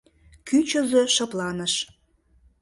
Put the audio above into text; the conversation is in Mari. Кӱчызӧ шыпланыш.